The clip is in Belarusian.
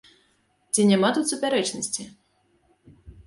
Ці няма тут супярэчнасці?